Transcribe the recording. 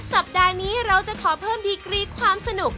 สัปดาห์นี้เราจะขอเพิ่มดีกรีความสนุก